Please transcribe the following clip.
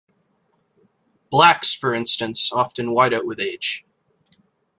Blacks, for instance, often white out with age.